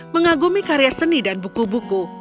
mengagumi karya seni dan buku buku